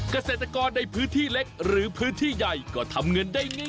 เกษตรกรในพื้นที่เล็กหรือพื้นที่ใหญ่ก็ทำเงินได้ง่าย